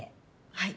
はい。